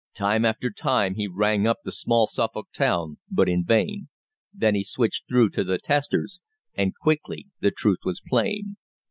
Time after time he rang up the small Suffolk town, but in vain. Then he switched through to the testers, and quickly the truth was plain.